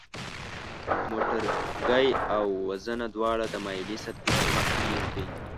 موټرګی او وزنه دواړه د مایلې سطحې پر مخ کیږدئ.